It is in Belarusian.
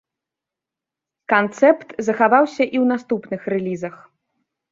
Канцэпт захаваўся і ў наступных рэлізах.